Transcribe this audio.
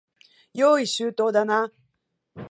用意周到だな。